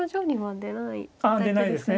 ああ出ないですね。